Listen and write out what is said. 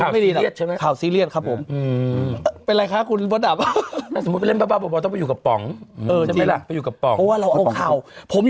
ไม่ที่ดีนะข่าวซีเรียสใช่ไหม